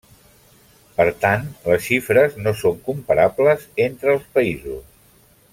Per tant, les xifres no són comparables entre els països.